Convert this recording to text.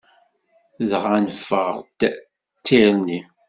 Dɣa neffeɣ-d d tirni.